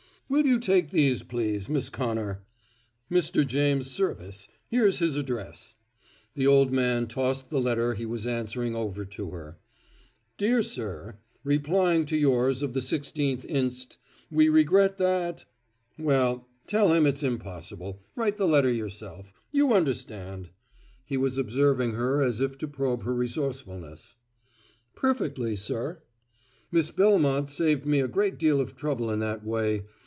"Will you take these please, Miss Connor? Mr. James Serviss here's his address," the old man tossed the letter he was answering over to her. "Dear Sir: Replying to yours of the 16th inst, we regret that . Well, tell him it's impossible. Write the letter yourself. You understand!" He was observing her as if to probe her resourcefulness. "Perfectly, sir." "Miss Belmont saved me a great deal of trouble in that way.